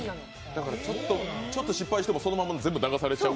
だからちょっと失敗してもそのまま全部流されちゃう。